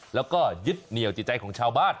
แล้วก็ยึดเหนียวจิตใจของชาวบ้าน